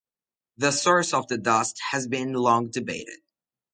The source of the dust has been long debated.